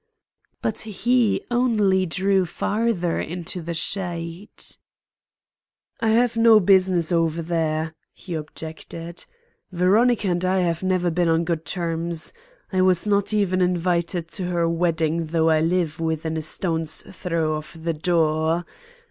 But he only drew farther into the shade. "I have no business over there," he objected. "Veronica and I have never been on good terms. I was not even invited to her wedding though I live within a stone's throw of the door.